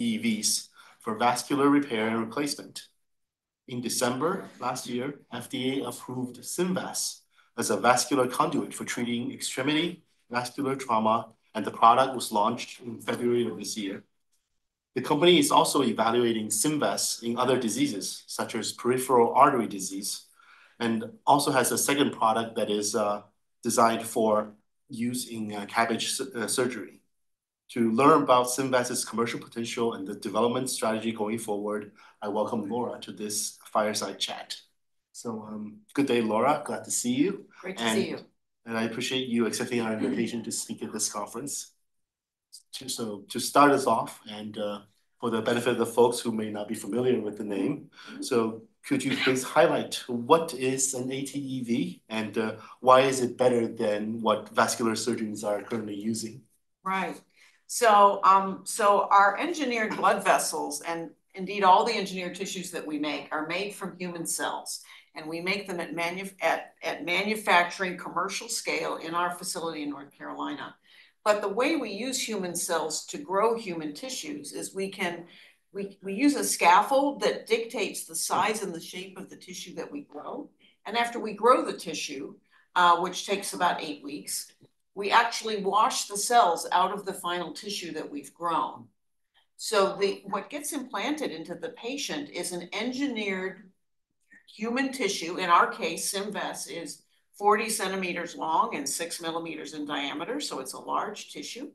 ATEVs for vascular repair and replacement. In December last year, FDA approved SYMVESS as a vascular conduit for treating extremity vascular trauma, and the product was launched in February of this year. The company is also evaluating SYMVESS in other diseases, such as peripheral artery disease, and also has a second product that is designed for use in CABG surgery. To learn about SYMVESS's commercial potential and the development strategy going forward, I welcome Laura to this fireside chat. Good day, Laura. Glad to see you. Great to see you. I appreciate you accepting our invitation to speak at this conference. To start us off, and for the benefit of the folks who may not be familiar with the name, could you please highlight what is an ATEV and why is it better than what vascular surgeons are currently using? Right. Our engineered blood vessels, and indeed all the engineered tissues that we make, are made from human cells, and we make them at manufacturing commercial scale in our facility in North Carolina. The way we use human cells to grow human tissues is we can—we use a scaffold that dictates the size and the shape of the tissue that we grow. After we grow the tissue, which takes about eight weeks, we actually wash the cells out of the final tissue that we've grown. What gets implanted into the patient is an engineered human tissue. In our case, SYMVESS is 40cm long and six mm in diameter, so it's a large tissue.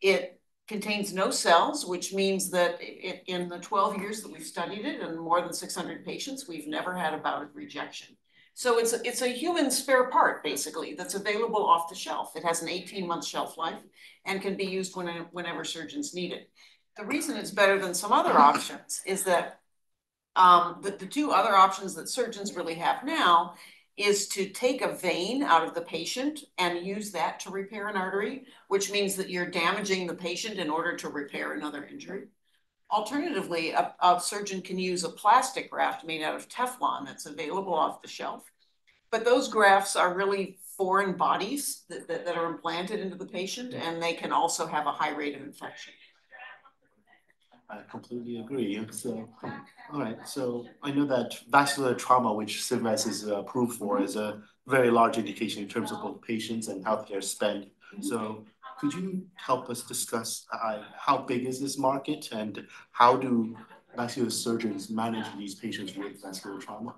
It contains no cells, which means that in the 12 years that we've studied it and more than 600 patients, we've never had a bout of rejection. It's a human spare part, basically, that's available off the shelf. It has an 18-month shelf life and can be used whenever surgeons need it. The reason it's better than some other options is that the two other options that surgeons really have now are to take a vein out of the patient and use that to repair an artery, which means that you're damaging the patient in order to repair another injury. Alternatively, a surgeon can use a plastic graft made out of Teflon that's available off the shelf. Those grafts are really foreign bodies that are implanted into the patient, and they can also have a high rate of infection. I completely agree. All right. I know that vascular trauma, which SYMVESS is approved for, is a very large indication in terms of both patients and healthcare spend. Could you help us discuss how big this market is and how do vascular surgeons manage these patients with vascular trauma?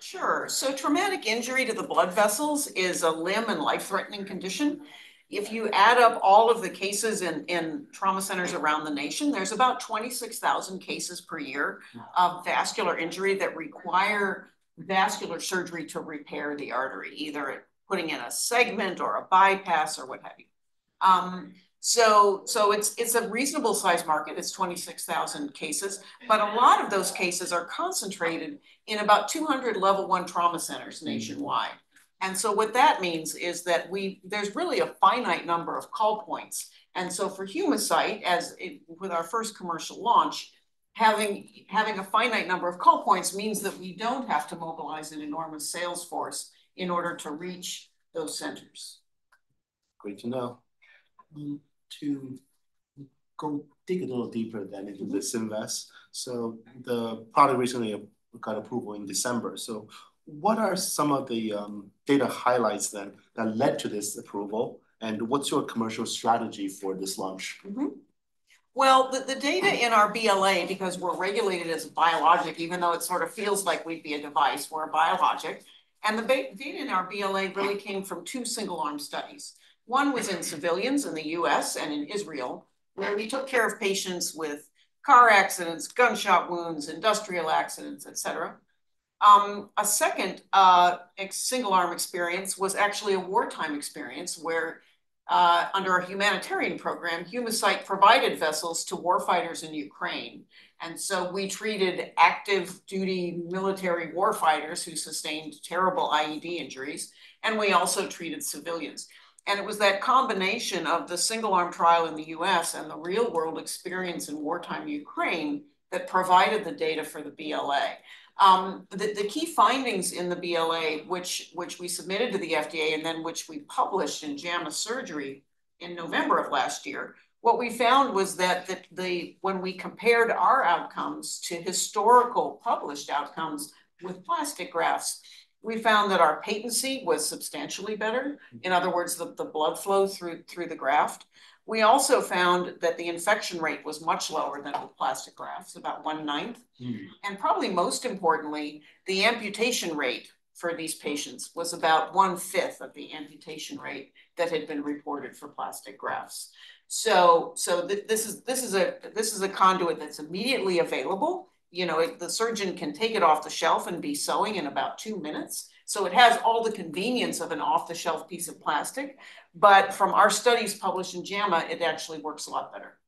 Sure. Traumatic injury to the blood vessels is a limb and life-threatening condition. If you add up all of the cases in trauma centers around the nation, there are about 26,000 cases per year of vascular injury that require vascular surgery to repair the artery, either putting in a segment or a bypass or what have you. It is a reasonable size market. It is 26,000 cases. A lot of those cases are concentrated in about 200 level one trauma centers nationwide. What that means is that there is really a finite number of call points. For Humacyte, with our first commercial launch, having a finite number of call points means that we do not have to mobilize an enormous sales force in order to reach those centers. Great to know. To go dig a little deeper then into this SYMVESS, the product recently got approval in December. What are some of the data highlights that led to this approval, and what's your commercial strategy for this launch? The data in our BLA, because we're regulated as biologic, even though it sort of feels like we'd be a device, we're biologic. The data in our BLA really came from two single-arm studies. One was in civilians in the U.S. and in Israel, where we took care of patients with car accidents, gunshot wounds, industrial accidents, et cetera. A second single-arm experience was actually a wartime experience where, under a Humanitarian Program, Humacyte provided vessels to warfighters in Ukraine. We treated active duty military warfighters who sustained terrible IED injuries, and we also treated civilians. It was that combination of the single-arm trial in the U.S. and the real-world experience in wartime Ukraine that provided the data for the BLA. The key findings in the BLA, which we submitted to the FDA and then which we published in JAMA Surgery in November of last year, what we found was that when we compared our outcomes to historical published outcomes with plastic grafts, we found that our patency was substantially better. In other words, the blood flow through the graft. We also found that the infection rate was much lower than with plastic grafts, about 1/9. Probably most importantly, the amputation rate for these patients was about 1/5 of the amputation rate that had been reported for plastic grafts. This is a conduit that's immediately available. You know, the surgeon can take it off the shelf and be sewing in about two minutes. It has all the convenience of an off-the-shelf piece of plastic. From our studies published in JAMA, it actually works a lot better.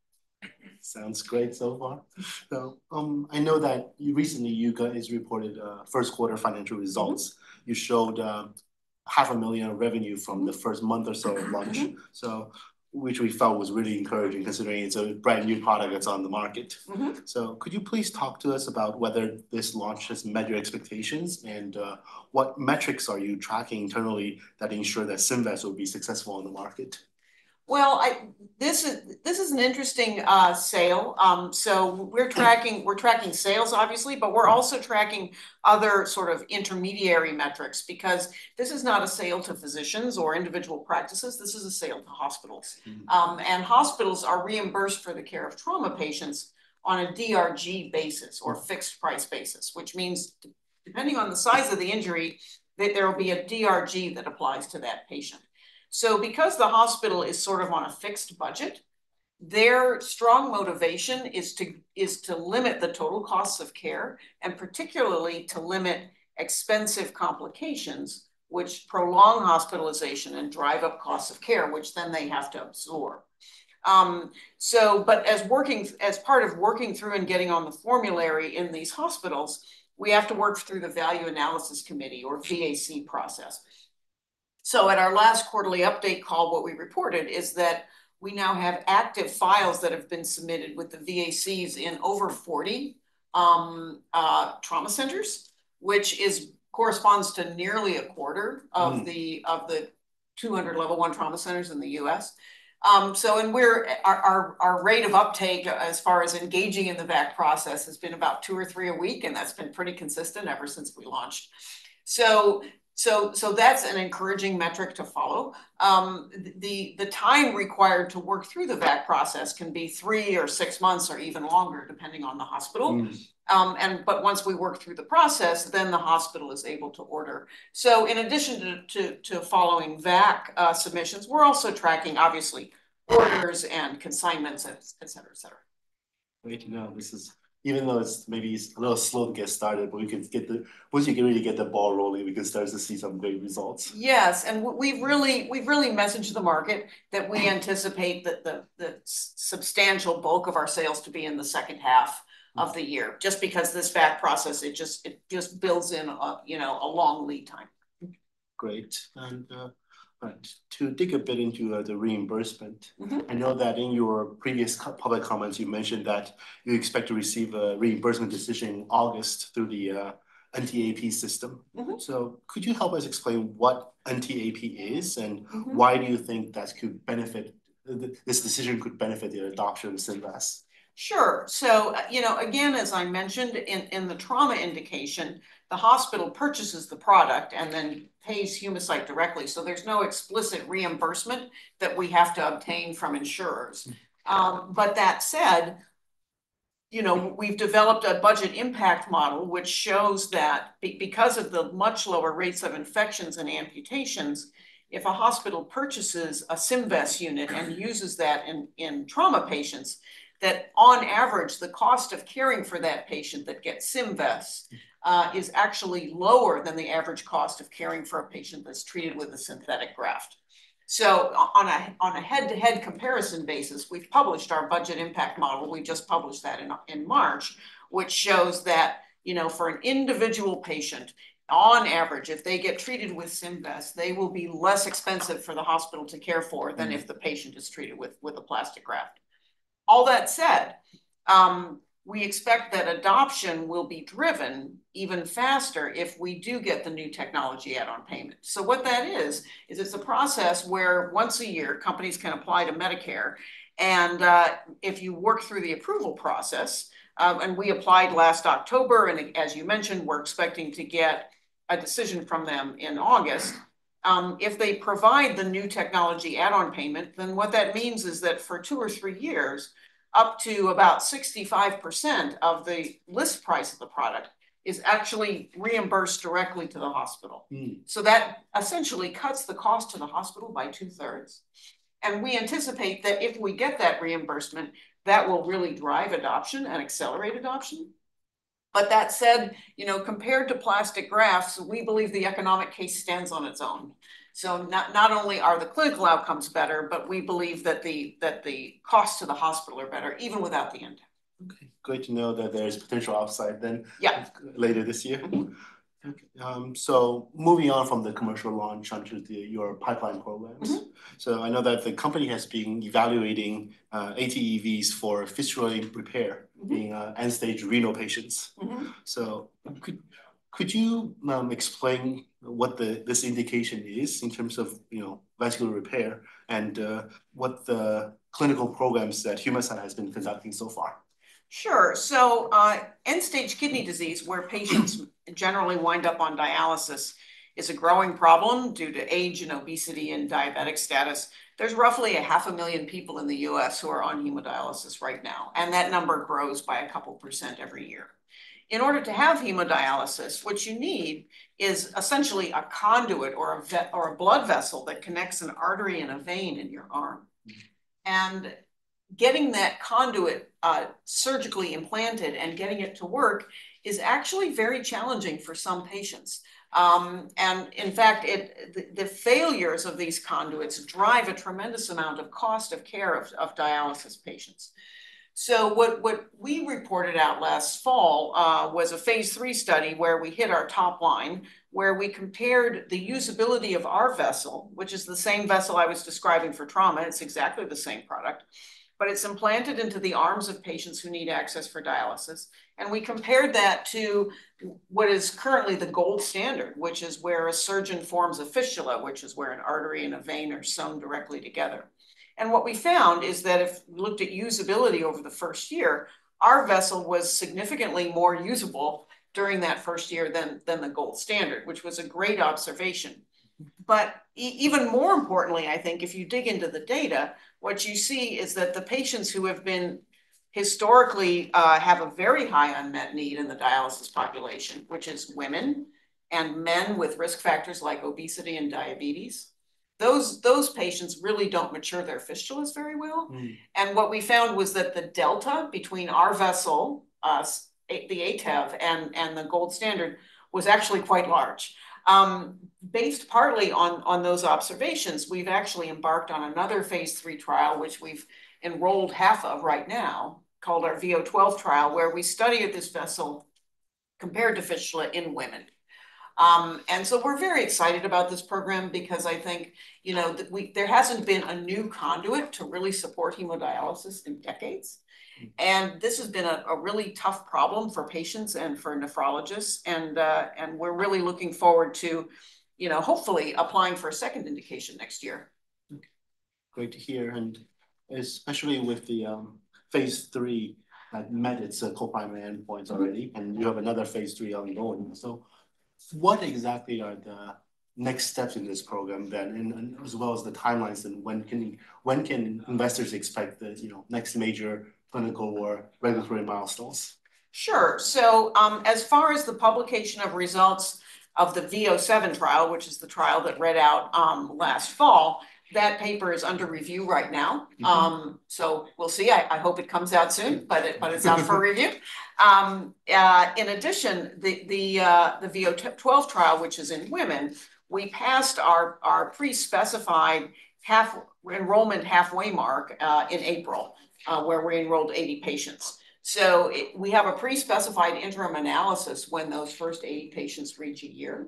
Sounds great so far. I know that recently you guys reported first-quarter financial results. You showed $500,000 revenue from the first month or so of launch, which we felt was really encouraging considering it's a brand new product that's on the market. Could you please talk to us about whether this launch has met your expectations and what metrics are you tracking internally that ensure that SYMVESS will be successful on the market? This is an interesting sale. We're tracking sales, obviously, but we're also tracking other sort of intermediary metrics because this is not a sale to physicians or individual practices. This is a sale to hospitals. Hospitals are reimbursed for the care of trauma patients on a DRG basis or fixed-price basis, which means depending on the size of the injury, there will be a DRG that applies to that patient. Because the hospital is sort of on a fixed budget, their strong motivation is to limit the total costs of care and particularly to limit expensive complications, which prolong hospitalization and drive up costs of care, which then they have to absorb. As part of working through and getting on the formulary in these hospitals, we have to work through the Value Analysis Committee or VAC process. At our last quarterly update call, what we reported is that we now have active files that have been submitted with the VACs in over 40 trauma centers, which corresponds to nearly a 1/4 of the 200 level one trauma centers in the U.S. Our rate of uptake as far as engaging in the VAC process has been about two or three a week, and that's been pretty consistent ever since we launched. That's an encouraging metric to follow. The time required to work through the VAC process can be three or six months or even longer, depending on the hospital. Once we work through the process, then the hospital is able to order. In addition to following VAC submissions, we're also tracking, obviously, orders and consignments, et cetera, et cetera. Great to know. This is, even though it's maybe a little slow to get started, but we can get the—once you can really get the ball rolling, we can start to see some great results. Yes. We've really messaged the market that we anticipate the substantial bulk of our sales to be in the second half of the year, just because this VAC process, it just builds in a long lead time. Great. To dig a bit into the reimbursement, I know that in your previous public comments, you mentioned that you expect to receive a reimbursement decision in August through the NTAP system. Could you help us explain what NTAP is and why you think this decision could benefit the adoption of SYMVESS? Sure. So, you know, again, as I mentioned, in the trauma indication, the hospital purchases the product and then pays Humacyte directly. So, there's no explicit reimbursement that we have to obtain from insurers. But that said, you know, we've developed a budget impact model, which shows that because of the much lower rates of infections and amputations, if a hospital purchases a SYMVESS unit and uses that in trauma patients, that on average, the cost of caring for that patient that gets SYMVESS is actually lower than the average cost of caring for a patient that's treated with a synthetic graft. So, on a head-to-head comparison basis, we've published our budget impact model. We just published that in March, which shows that, you know, for an individual patient, on average, if they get treated with SYMVESS, they will be less expensive for the hospital to care for than if the patient is treated with a plastic graft. All that said, we expect that adoption will be driven even faster if we do get the new technology add-on payment. What that is, is it's a process where once a year, companies can apply to Medicare. If you work through the approval process, and we applied last October, and as you mentioned, we're expecting to get a decision from them in August, if they provide the new technology add-on payment, then what that means is that for two or three years, up to about 65% of the list price of the product is actually reimbursed directly to the hospital. That essentially cuts the cost to the hospital by two-thirds. We anticipate that if we get that reimbursement, that will really drive adoption and accelerate adoption. That said, you know, compared to plastic grafts, we believe the economic case stands on its own. Not only are the clinical outcomes better, but we believe that the cost to the hospital are better, even without the impact. Okay. Great to know that there is potential upside then later this year. Moving on from the commercial launch onto your pipeline programs. I know that the company has been evaluating ATEVs for fistula repair in end-stage renal patients. Could you explain what this indication is in terms of vascular repair and what the clinical programs that Humacyte has been conducting so far? Sure. End-stage kidney disease, where patients generally wind up on dialysis, is a growing problem due to age and obesity and diabetic status. There's roughly 500,000 people in the U.S. who are on hemodialysis right now. That number grows by a couple percent every year. In order to have hemodialysis, what you need is essentially a conduit or a blood vessel that connects an artery and a vein in your arm. Getting that conduit surgically implanted and getting it to work is actually very challenging for some patients. In fact, the failures of these conduits drive a tremendous amount of cost of care of dialysis patients. What we reported out last fall was a phase III study where we hit our top line, where we compared the usability of our vessel, which is the same vessel I was describing for trauma. It's exactly the same product, but it's implanted into the arms of patients who need access for dialysis. We compared that to what is currently the gold standard, which is where a surgeon forms a fistula, which is where an artery and a vein are sewn directly together. What we found is that if we looked at usability over the first year, our vessel was significantly more usable during that first year than the gold standard, which was a great observation. Even more importantly, I think if you dig into the data, what you see is that the patients who have been historically have a very high unmet need in the dialysis population, which is women and men with risk factors like obesity and diabetes, those patients really don't mature their fistulas very well. What we found was that the delta between our vessel, the ATEV, and the gold standard was actually quite large. Based partly on those observations, we've actually embarked on another phase III trial, which we've enrolled half of right now, called our VO12 trial, where we study this vessel compared to fistula in women. We are very excited about this program because I think, you know, there hasn't been a new conduit to really support hemodialysis in decades. This has been a really tough problem for patients and for nephrologists. We are really looking forward to, you know, hopefully applying for a second indication next year. Great to hear. Especially with the phase III that met its co-pilot endpoints already, and you have another phase III ongoing. What exactly are the next steps in this program then, as well as the timelines? When can investors expect the next major clinical or regulatory milestones? Sure. As far as the publication of results of the VO7 trial, which is the trial that read out last fall, that paper is under review right now. We'll see. I hope it comes out soon, but it's not for review. In addition, the VO12 trial, which is in women, we passed our pre-specified half enrollment halfway mark in April, where we enrolled 80 patients. We have a pre-specified interim analysis when those first 80 patients reach a year.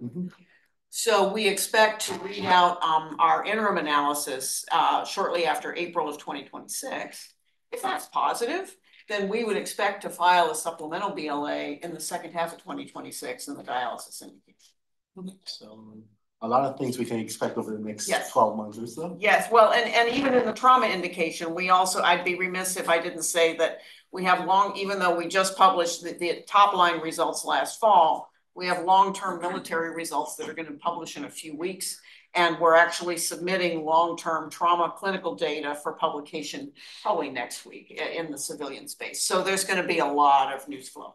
We expect to read out our interim analysis shortly after April of 2026. If that's positive, then we would expect to file a supplemental BLA in the second half of 2026 in the dialysis indication. A lot of things we can expect over the next 12 months or so. Yes. Even in the trauma indication, I'd be remiss if I didn't say that we have long, even though we just published the top line results last fall, we have long-term military results that are going to publish in a few weeks. We're actually submitting long-term trauma clinical data for publication probably next week in the civilian space. There's going to be a lot of news flow.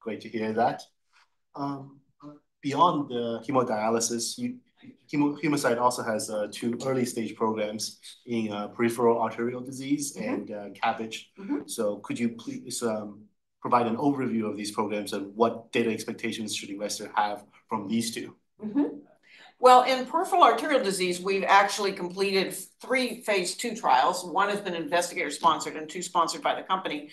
Great to hear that. Beyond the hemodialysis, Humacyte also has two early-stage programs in peripheral arterial disease and CABG. Could you please provide an overview of these programs and what data expectations should investors have from these two? In peripheral arterial disease, we've actually completed three phase II trials. One has been investigator-sponsored and two sponsored by the company.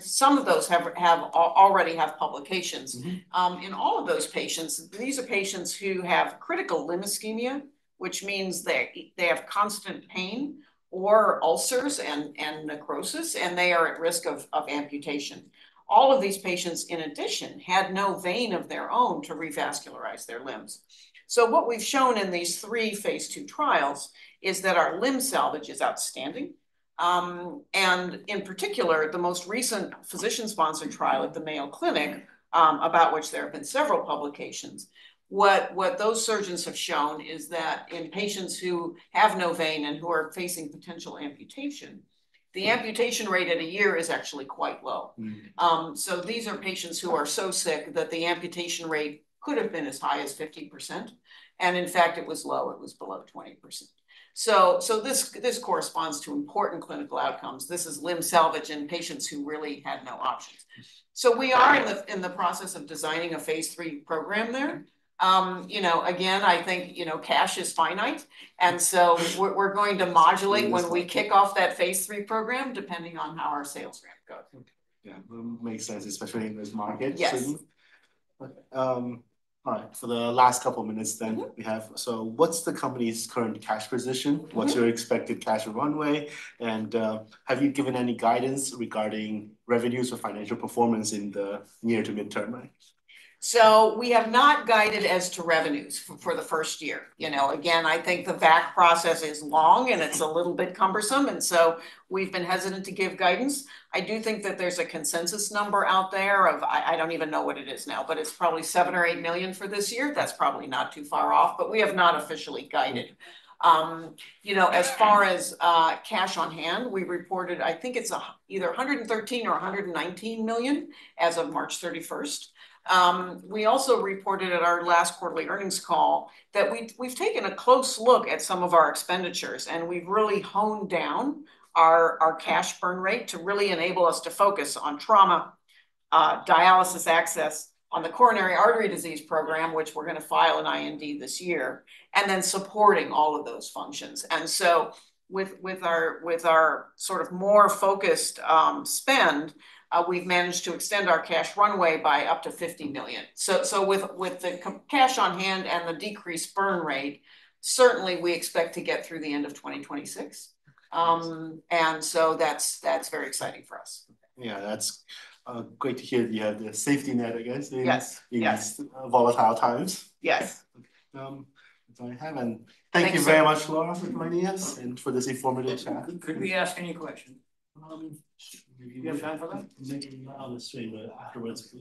Some of those already have publications. In all of those patients, these are patients who have critical limb ischemia, which means they have constant pain or ulcers and necrosis, and they are at risk of amputation. All of these patients, in addition, had no vein of their own to revascularize their limbs. What we've shown in these three phase II trials is that our limb salvage is outstanding. In particular, the most recent physician-sponsored trial at the Mayo Clinic, about which there have been several publications, what those surgeons have shown is that in patients who have no vein and who are facing potential amputation, the amputation rate at a year is actually quite low. These are patients who are so sick that the amputation rate could have been as high as 50%. In fact, it was low. It was below 20%. This corresponds to important clinical outcomes. This is limb salvage in patients who really had no options. We are in the process of designing a phase III program there. You know, again, I think, you know, cash is finite. We are going to modulate when we kick off that phase III program, depending on how our sales ramp goes. Yeah. Makes sense, especially in this market. Yes. All right. For the last couple of minutes then, we have—so, what's the company's current cash position? What's your expected cash runway? And have you given any guidance regarding revenues or financial performance in the near to midterm? We have not guided as to revenues for the first year. You know, again, I think the VAC process is long and it's a little bit cumbersome. We have been hesitant to give guidance. I do think that there's a consensus number out there of—I don't even know what it is now, but it's probably $7 million or $8 million for this year. That's probably not too far off, but we have not officially guided. You know, as far as cash on hand, we reported, I think it's either $113 million or $119 million as of March 31st. We also reported at our last quarterly earnings call that we've taken a close look at some of our expenditures, and we've really honed down our cash burn rate to really enable us to focus on trauma, dialysis access, on the coronary artery disease program, which we're going to file an IND this year, and then supporting all of those functions. With our sort of more focused spend, we've managed to extend our cash runway by up to $50 million. With the cash on hand and the decreased burn rate, certainly we expect to get through the end of 2026. That's very exciting for us. Yeah. That's great to hear the safety net, I guess, in these volatile times. Yes. Okay. If I haven't, thank you very much, Laura, for joining us and for this informative chat. Could we ask any questions? Do you have time for that? Maybe not on the screen, but afterwards.